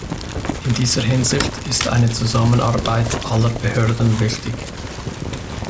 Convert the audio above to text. In dieser Hinsicht ist eine Zusammenarbeit aller Behörden wichtig.